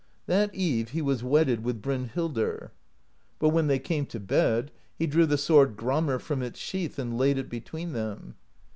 That eve he was wedded with Brynhildr. But when they came to bed, he drew the Sword Gramr from its sheath and laid it between them.